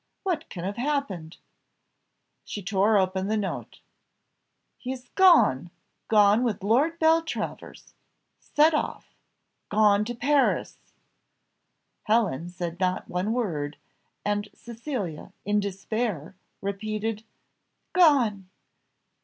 what can have happened?" She tore open the note, "He is gone! gone with Lord Beltravers set off! gone to Paris!" Helen said not one word, and Cecilia, in despair, repeated, "Gone!